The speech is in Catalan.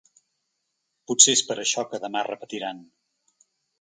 Potser és per això que demà repetiran.